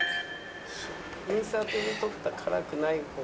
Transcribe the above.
「インサート用に撮った辛くない方を」。